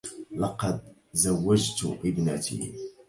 لقد زوجت إبنتي.